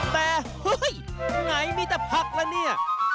แต่เฮ่ยไหนมีแต่ผักละนี่